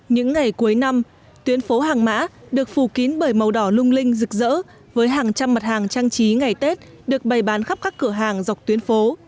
những ngày cuối năm tuyến phố hàng mã được phủ kín bởi màu đỏ lung linh rực rỡ với hàng trăm mặt hàng trang trí ngày tết được bày bán khắp các cửa hàng dọc tuyến phố